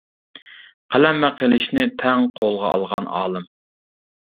قەلەم ۋە قىلىچنى تەڭ قولىغا ئالغان ئالىم.